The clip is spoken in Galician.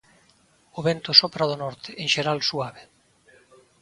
O vento sopra do norte, en xeral suave.